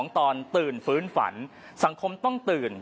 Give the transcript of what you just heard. ตอนตื่นฟื้นฝันสังคมต้องตื่น